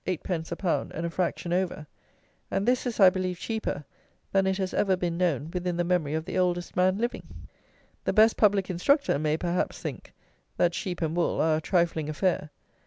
_ a pound and a fraction over; and this is, I believe, cheaper than it has ever been known within the memory of the oldest man living! The "best public instructor" may, perhaps, think, that sheep and wool are a trifling affair.